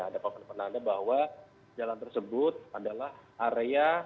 ada papan penanda bahwa jalan tersebut adalah area